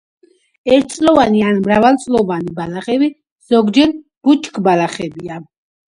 ერთწლოვანი ან მრავალწლოვანი ბალახები, ზოგჯერ ბუჩქბალახებია.